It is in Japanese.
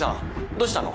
どうしたの？